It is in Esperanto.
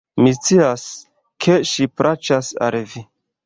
Mi scias, ke ŝi plaĉas al Vi.